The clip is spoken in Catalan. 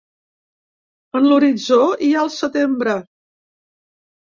En l’horitzó hi ha el setembre.